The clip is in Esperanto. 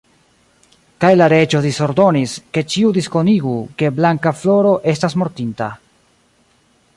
Kaj la reĝo disordonis, ke ĉiu diskonigu, ke Blankafloro estas mortinta.